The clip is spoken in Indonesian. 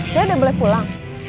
saya udah boleh pulang